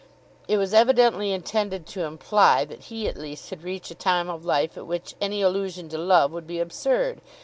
It was evidently intended to imply that he at least had reached a time of life at which any allusion to love would be absurd.